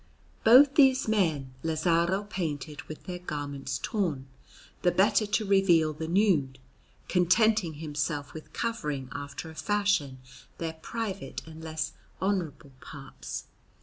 Both these men Lazzaro painted with their garments torn, the better to reveal the nude, contenting himself with covering after a fashion their private and less honourable parts.